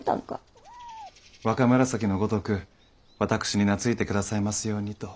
若紫のごとく私に懐いて下さいますようにと。